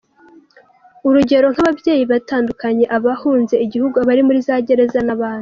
Urugero nk’ababyeyi batandukanye, abahunze igihugu, abari muri za gereza n’abandi.